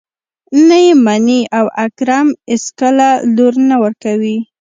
نه يې مني او اکرم اېڅکله لور نه ورکوي.